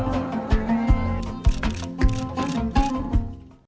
sampai jumpa di video selanjutnya